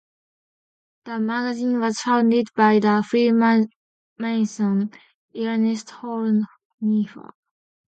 The magazine was founded by the freemason Ernst Horneffer.